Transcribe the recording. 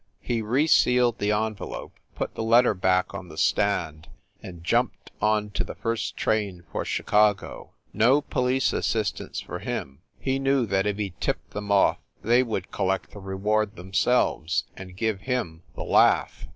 He resealed the en velope, put the letter back on the stand and jumped on to the first train for Chicago. No police assist ance for him. He knew that if he tipped them off they would collect the reward themselves and give him the laugh.